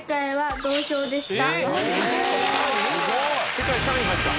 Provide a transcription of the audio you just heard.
世界３位に入った？